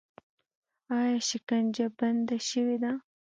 آیا شکنجه بنده شوې ده؟